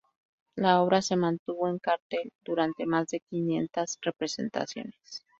La obra se mantuvo en cartel durante más de quinientas representaciones.